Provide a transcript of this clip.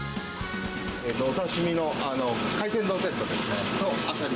お刺身の海鮮丼セットですね、それとアサリ。